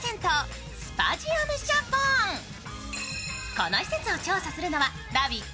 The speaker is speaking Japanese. この施設を調査するのは「ラヴィット！」